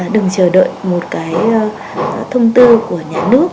đừng chờ đợi một cái thông tư của nhà nước